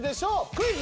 クイズ！